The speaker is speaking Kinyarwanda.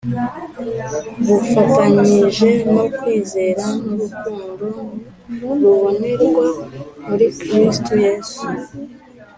bufatanije no kwizera n’urukundo rubonerwa muri Kristo Yesu.